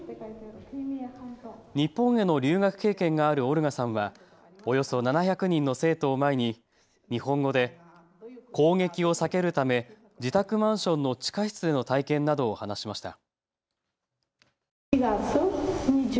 日本への留学経験があるオルガさんはおよそ７００人の生徒を前に日本語で攻撃を避けるため自宅マンションの地下室での体験などを話しました。